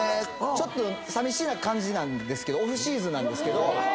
ちょっとさみしげな感じですけどオフシーズンなんですけど。